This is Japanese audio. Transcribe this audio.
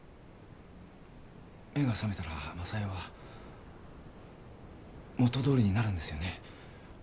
目が覚めたら昌代は元どおりになるんですよね？